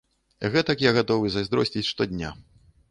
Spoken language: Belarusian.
Гэтак я гатовы зайздросціць штодня.